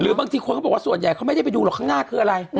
บางทีคนเขาบอกว่าส่วนใหญ่เขาไม่ได้ไปดูหรอกข้างหน้าคืออะไร